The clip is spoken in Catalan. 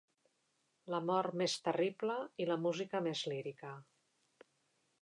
La mort més terrible i la música més lírica.